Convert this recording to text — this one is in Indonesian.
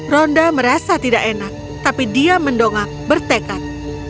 ronda merasa tidak enak tapi dia mendongak bertekad